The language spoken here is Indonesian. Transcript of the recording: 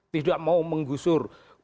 tidak mau menggusur